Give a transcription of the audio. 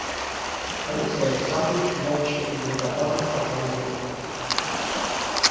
Алексей Александрович молча и благодарно пожал ее руку.